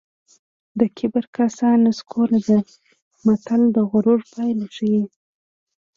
د کبر کاسه نسکوره ده متل د غرور پایله ښيي